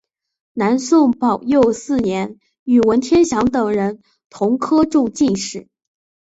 南宋宝佑四年与文天祥等人同科中进士。